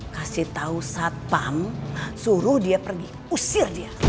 kasih tahu saat pam suruh dia pergi usir dia